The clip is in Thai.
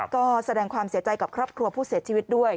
ก็แสดงความเสียใจกับครอบครัวผู้เสียชีวิตด้วย